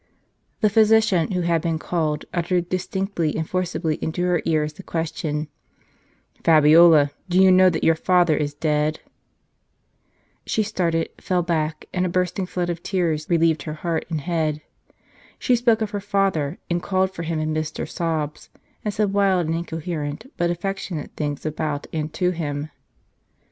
The physician, who had been called, uttered distinctly and forcibly into her ears the question :" Fabiola, do you know that your father is dead ?" She started, fell back, and a bursting flood of tears relieved her heart and head. She spoke of her father, and called for him amidst her sobs, and said wild and incoherent, but affectionate things about, and to, him.